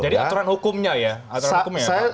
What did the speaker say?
jadi aturan hukumnya ya